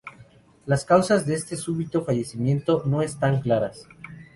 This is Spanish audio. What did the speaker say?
Las causas de este súbito fallecimiento no están claras.